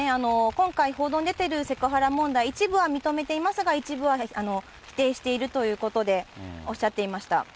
今回報道に出ているセクハラ問題、一部は認めていますが、一部は否定しているということで、おっしゃっていました。